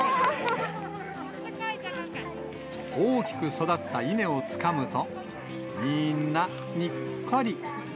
大きく育った稲をつかむと、みんな、にっこり。